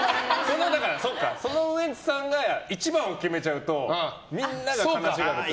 そのウエンツさんが一番を決めちゃうとみんなが悲しいから。